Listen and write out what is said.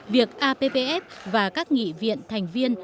việc appf và các nghị viện thành viên